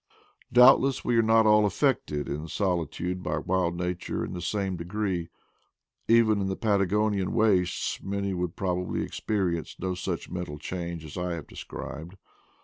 Doubtless we are not all affected in solitude by wild nature in the same degree ; even in the Pata gonian wastes many would probably experience no 222 IDLE DAYS IN PATAGONIA such mental change as I have described.